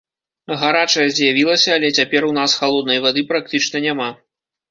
Гарачая з'явілася, але цяпер у нас халоднай вады практычна няма.